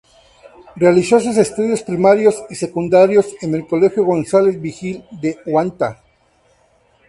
Realizó sus estudios primarios y secundarios en el "colegio Gonzales Vigil" de Huanta.